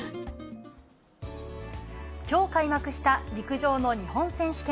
きょう開幕した陸上の日本選手権。